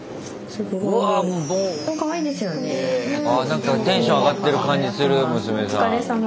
なんかテンション上がってる感じする娘さん。